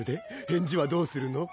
返事はどうするの？